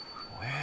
え？